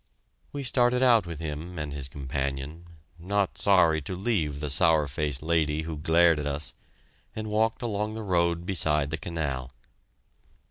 We started out with him and his companion, not sorry to leave the sour faced lady who glared at us, and walked along the road beside the canal.